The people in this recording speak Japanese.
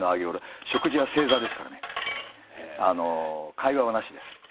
会話はなしです。